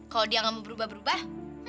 kalau dia gak mau berubah berubah